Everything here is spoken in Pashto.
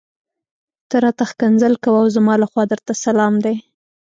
ته راته ښکنځل کوه او زما لخوا درته سلام دی.